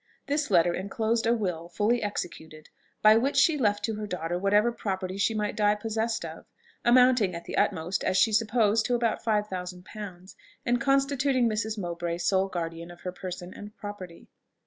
This letter enclosed a will fully executed, by which she left to her daughter whatever property she might die possessed of, (amounting at the utmost, as she supposed, to about five thousand pounds,) and constituting Mrs. Mowbray sole guardian of her person and property.